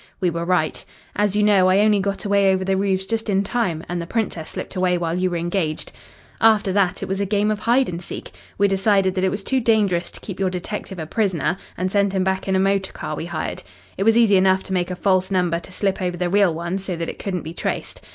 We were right. As you know, I only got away over the roofs just in time, and the Princess slipped away while you were engaged. "After that it was a game of hide and seek. We decided that it was too dangerous to keep your detective a prisoner, and sent him back in a motor car we hired. It was easy enough to make a false number to slip over the real one, so that it couldn't be traced.